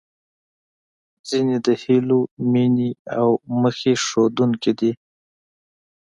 ځينې د هیلو، مينې او موخې ښودونکې وې.